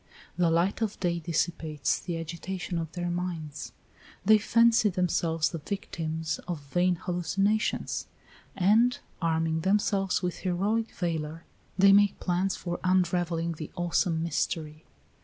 The light of day dissipates the agitation of their minds, they fancy themselves the victims of vain hallucinations, and, arming themselves with heroic valor, they make plans for unravelling the awesome mystery.